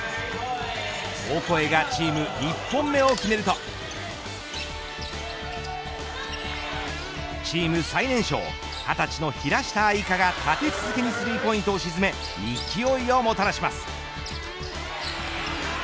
オコエがチーム１本目を決めるとチーム最年少２０歳の平下愛佳が立て続けにスリーポイントを沈め勢いをもたらします。